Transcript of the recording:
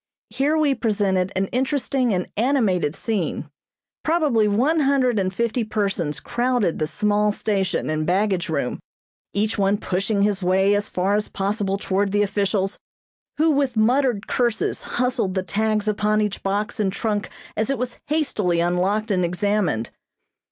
Here we presented an interesting and animated scene. Probably one hundred and fifty persons crowded the small station and baggage room, each one pushing his way as far as possible toward the officials, who with muttered curses hustled the tags upon each box and trunk as it was hastily unlocked and examined.